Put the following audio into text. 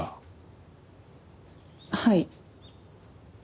はい。